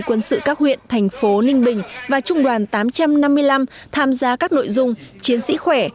quân sự các huyện thành phố ninh bình và trung đoàn tám trăm năm mươi năm tham gia các nội dung chiến sĩ khỏe